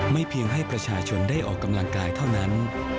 เพียงให้ประชาชนได้ออกกำลังกายเท่านั้น